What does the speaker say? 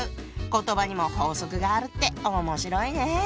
言葉にも法則があるって面白いね。